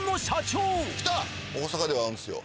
大阪では会うんですよ